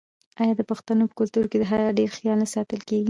آیا د پښتنو په کلتور کې د حیا ډیر خیال نه ساتل کیږي؟